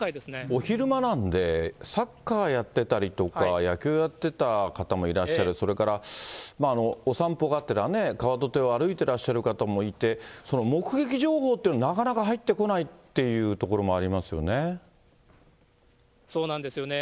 お昼間なんで、サッカーやってたりとか、野球やってた方もいらっしゃる、それからお散歩がてらね、川土手を歩いてらっしゃる方もいて、目撃情報というのがなかなか入ってこないっていうところもありまそうなんですよね。